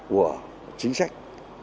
của chính sách